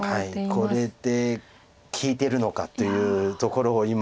これで利いてるのかというところを今。